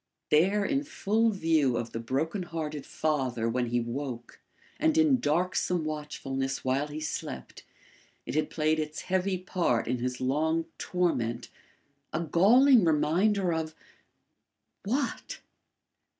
There in full view of the broken hearted father when he woke and in darksome watchfulness while he slept, it had played its heavy part in his long torment a galling reminder of what?